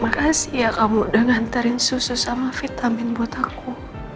makasih ya kamu udah nganterin susu sama vitamin buat aku